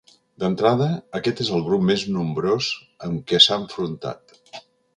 D'entrada, aquest és el grup més nombrós amb què s'ha enfrontat.